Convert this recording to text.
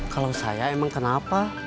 kalau saya emang kenapa